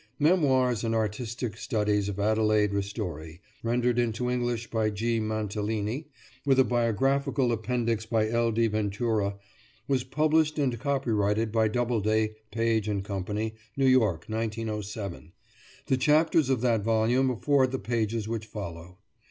"Memoirs and Artistic Studies of Adelaide Ristori," rendered into English by G. Mantellini, with a biographical appendix by L. D. Ventura, was published and copyrighted by Doubleday, Page & Co., New York, 1907. The chapters of that volume afford the pages which follow.